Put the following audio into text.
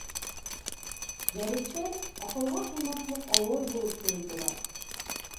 Дәрестәр аҡылға һыймаҫлыҡ ауыр булып тойолдолар